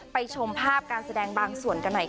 ชมภาพการแสดงบางส่วนกันหน่อยค่ะ